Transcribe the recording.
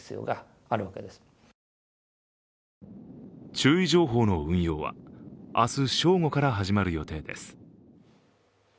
注意情報の運用は明日正午から始まる予定です。